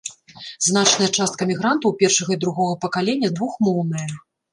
Значная частка мігрантаў першага і другога пакалення двухмоўная.